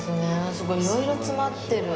すごいいろいろ詰まってる。